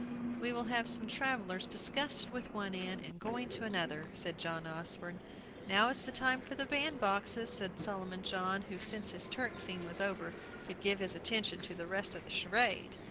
"We will have some travellers disgusted with one inn, and going to another," said John Osborne. "Now is the time for the bandboxes," said Solomon John, who, since his Turk scene was over, could give his attention to the rest of the charade.